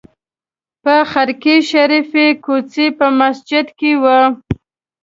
په خرقې شریفې کوڅې په مسجد کې وه.